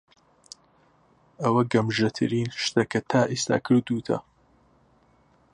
ئەوە گەمژەترین شتە کە تا ئێستا کردووتە.